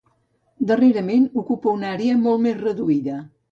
Darrerament ocupa una àrea molt més reduïda.